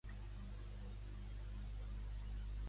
Company sentimental de l'amat, però sense dret a cuixa.